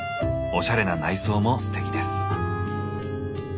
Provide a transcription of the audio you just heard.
おしゃれな内装もステキです。